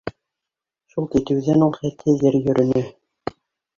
Шул китеүҙән ул хәтһеҙ ер йөрөнө.